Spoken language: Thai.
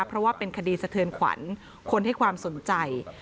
เพราะว่าเป็นคดีสะเทือนขวัญคนให้ความสนใจ